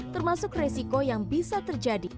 termasuk resiko yang bisa terjadi